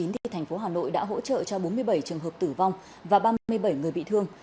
thành phố hà nội đã hỗ trợ cho bốn mươi bảy trường hợp tử vong và ba mươi bảy người bị thương